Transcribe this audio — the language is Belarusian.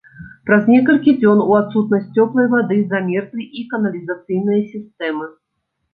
Праз некалькі дзён у адсутнасць цёплай вады замерзлі і каналізацыйныя сістэмы.